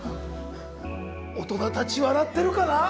大人たち笑ってるかな？